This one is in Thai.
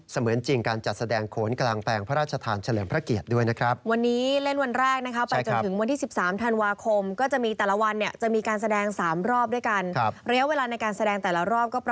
เหมือนจริงการจัดแสดงโขนกลางแปลงพระราชทานเฉลิมพระเกียรติด้วยนะครับ